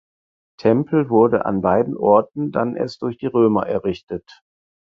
Tempel wurden an beiden Orten dann erst durch die Römer errichtet.